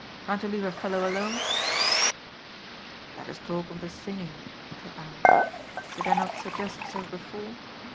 Can't you leave a fellow alone ?"" Let us talk of the singing," said Alers. " Did I not suggest so before